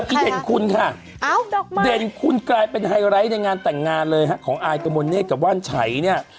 อีแดนคุณค่ะแดนคุณเป็นไฮไลท์ในงานแต่งงานเลยฮะของอายกว่ามณและว่านฉาย